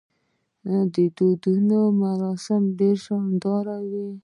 د ودونو مراسم ډیر شاندار وي.